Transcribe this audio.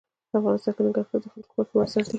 افغانستان کې ننګرهار د خلکو د خوښې وړ ځای دی.